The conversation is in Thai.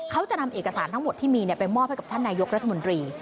เขาจะนำเอกสารทั้งหมดที่มีไปมอบให้กับท่านนายกรัฐมนตรี